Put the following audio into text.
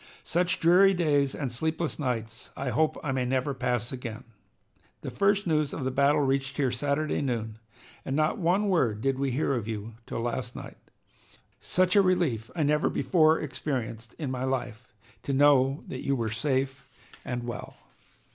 Such dreary days and sleepless nights I hope I may never pass again. The first news of the battle reached here Saturday noon, and not one word did we hear of you till last night. Such a relief I never before experienced in my life, to know that you were safe and well.